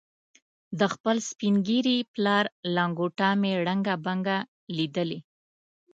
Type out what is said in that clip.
د خپل سپین ږیري پلار لنګوټه مې ړنګه بنګه لیدلې.